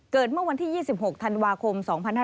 เมื่อวันที่๒๖ธันวาคม๒๕๕๙